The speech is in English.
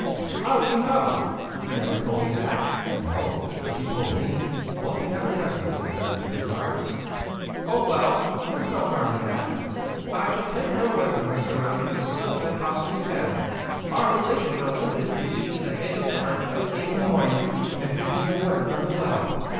"How do you know? She never told me that!" "No, but she told me; one can never trust these little devils too far." "Oh well! there's no harm in that! I shall take her away from her surroundings as soon as I possibly can. Our relations are limited to meeting in the Haga Park at eight in the morning and drinking the water from the well."